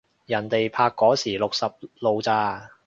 人哋拍嗰時六十路咋